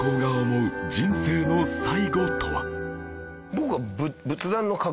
僕は。